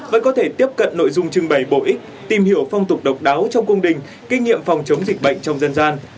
vẫn có thể tiếp cận nội dung trưng bày bổ ích tìm hiểu phong tục độc đáo trong cung đình kinh nghiệm phòng chống dịch bệnh trong dân gian